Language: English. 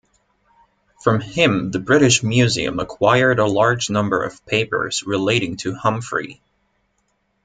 From him the British Museum acquired a large number of papers relating to Humphry.